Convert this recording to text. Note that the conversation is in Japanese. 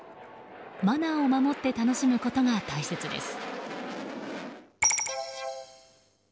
マナーを守って楽しむことが大切です。